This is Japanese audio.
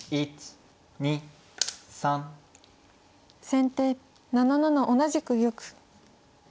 先手７七同じく玉。